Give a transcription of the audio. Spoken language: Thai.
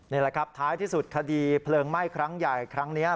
นี่แหละครับท้ายที่สุดคดีเพลิงไหม้ครั้งใหญ่ครั้งนี้